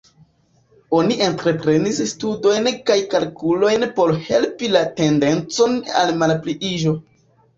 Oni entreprenis studojn kaj kalkulojn por helpi la tendencon al malpliiĝo.